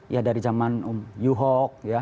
ya dari zaman um yuhok ya